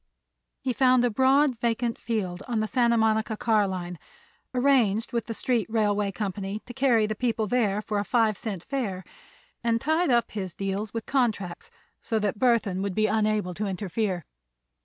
He found a broad vacant field on the Santa Monica car line; arranged with the street railway company to carry the people there for a five cent fare, and tied up his deals with contracts so that Burthon would be unable to interfere.